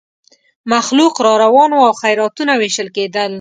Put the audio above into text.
مخلوق را روان وو او خیراتونه وېشل کېدل.